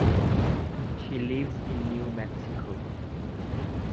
She lives in New Mexico.